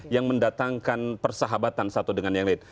yang mendatangkan persahabatan satu dengan yang lain